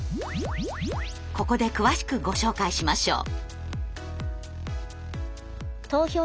ここで詳しくご紹介しましょう。